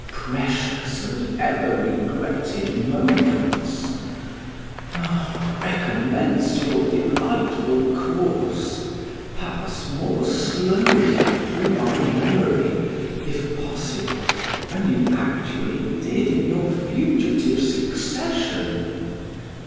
Precious and ever regretted moments! Ah! recommence your delightful course; pass more slowly through my memory, if possible, than you actually did in your fugitive succession.